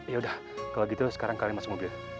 yaudah kalau gitu sekarang kalian masuk mobil